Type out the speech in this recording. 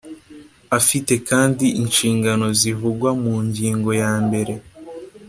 afite kandi inshingano zivugwa mu ngingo ya mbere